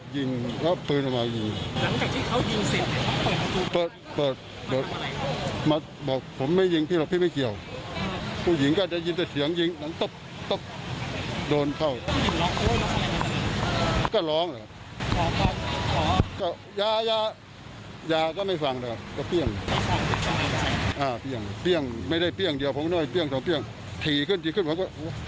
ยิงแล้วปืนเขามายิงหลังจากที่เขายิงเสร็จเหลือ